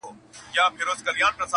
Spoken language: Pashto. وږمه ځي تر ارغوانه پښه نيولې.!